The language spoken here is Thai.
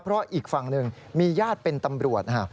เพราะอีกฝั่งหนึ่งมีญาติเป็นตำรวจ